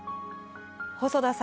細田さん